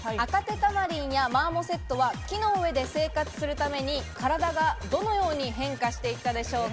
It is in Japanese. タマリンやマーモセットは木の上で生活するために体がどのように変化していたでしょうか？